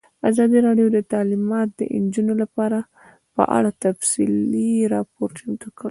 ازادي راډیو د تعلیمات د نجونو لپاره په اړه تفصیلي راپور چمتو کړی.